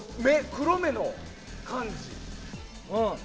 黒目の感じ。